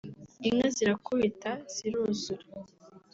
inka zirakubita ziruzura